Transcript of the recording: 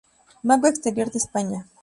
Banco Exterior de España.